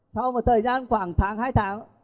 sau một thời gian khoảng tháng hai tháng